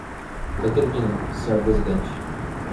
Eu termino, senhor presidente.